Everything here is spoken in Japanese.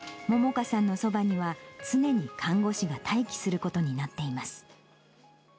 さらに、萌々華さんのそばには常に看護師が待機することになっています。